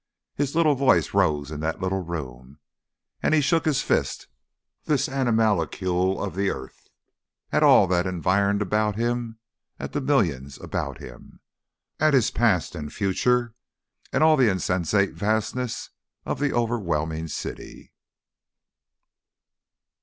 His little voice rose in that little room, and he shook his fist, this animalcule of the earth, at all that environed him about, at the millions about him, at his past and future and all the insensate vastness of the overwhelming city.